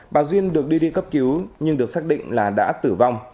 bà duyên được đi đi cấp cứu nhưng được xác định là đã tử vong